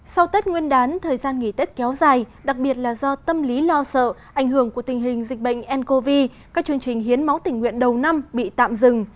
sau tết nguyên đán thời gian nghỉ tết kéo dài đặc biệt là do tâm lý lo sợ ảnh hưởng của tình hình dịch bệnh ncov các chương trình hiến máu tình nguyện đầu năm bị tạm dừng